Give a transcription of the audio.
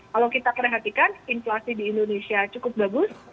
kalau kita perhatikan inflasi di indonesia cukup bagus